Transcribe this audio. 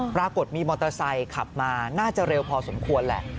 ปรากฏมีมอเตอร์ไซค์ขับมาน่าจะเร็วพอสมควรแหละ